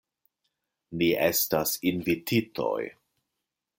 Ni estas invititoj.